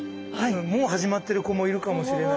もう始まってる子もいるかもしれない。